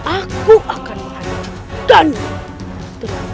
aku akan menghentikanmu